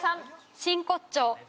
真骨頂。